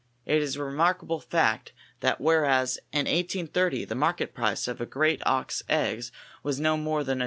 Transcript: It is a remarkable fact that, whereas in 1830 the market price of a great auk's eggs was no more than $1.